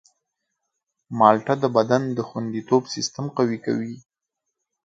مالټه د بدن د خوندیتوب سیستم قوي کوي.